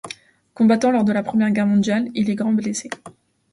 Combattant lors de la Première Guerre mondiale, il est grand blessé.